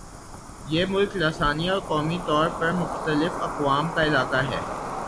یہ ملک لسانی اور قومی طور پر مختلف اقوام کا علاقہ ہے